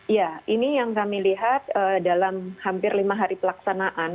ya ini yang kami lihat dalam hampir lima hari pelaksanaan